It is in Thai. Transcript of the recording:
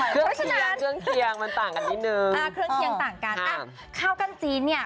เครื่องเคียงต่างกันแต่ข้าวกันจีนเนี่ย